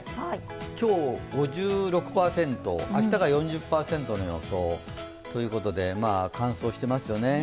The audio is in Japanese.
今日５６％、明日が４０％の予想ということで乾燥してますよね。